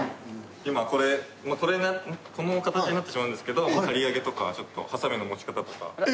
今これこの形になってしまうんですけど刈り上げとかハサミの持ち方とか。